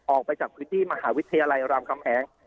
ออกไปจากพื้นที่มหาวิทยาลัยรามคำแหง